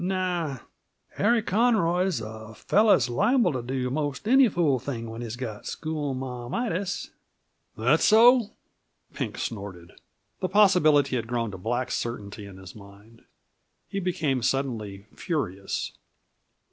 "Naw; Harry Conroy's a fellow's liable to do most any fool thing when he's got schoolma'amitis." "That so?" Pink snorted. The possibility had grown to black certainty in his mind. He became suddenly furious.